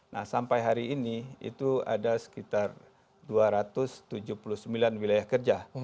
nah sampai hari ini itu ada sekitar dua ratus tujuh puluh sembilan wilayah kerja